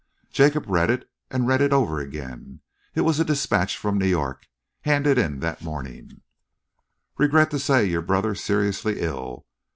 Jacob read it, and read it over again. It was a dispatch from New York, handed in that morning: Regret to say your brother seriously ill.